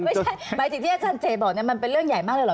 ไม่ใช่หมายถึงที่อาจารย์เจบอกมันเป็นเรื่องใหญ่มากเลยเหรอ